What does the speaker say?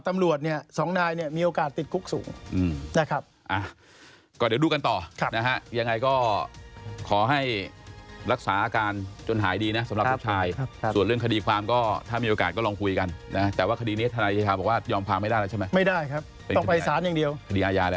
มันต้องมาอยู่ที่อื่นเช่นถือมีดรอคอ